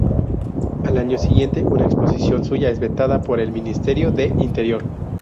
Al año siguiente una exposición suya es vetada por el Ministerio de Interior.